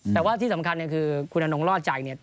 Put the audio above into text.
แต่ว่าที่สำคัญคือคุณอนงรอดใจ